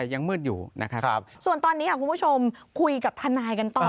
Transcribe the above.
ยังมืดอยู่นะครับส่วนตอนนี้ค่ะคุณผู้ชมคุยกับทนายกันต่อ